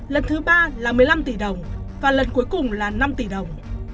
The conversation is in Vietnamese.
lần thứ ba là một mươi năm tỷ đồng và lần cuối cùng là năm tỷ đồng